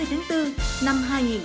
ba mươi tháng bốn năm hai nghìn hai mươi